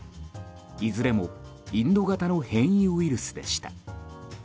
いずれもインド型の変異ウイルスでした。